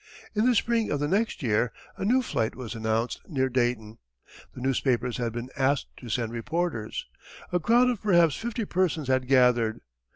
In the spring of the next year a new flight was announced near Dayton. The newspapers had been asked to send reporters. A crowd of perhaps fifty persons had gathered.